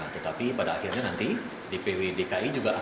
tetapi pada akhirnya nanti dpw dki juga akan